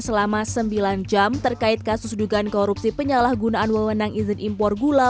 selama sembilan jam terkait kasus dugaan korupsi penyalahgunaan wewenang izin impor gula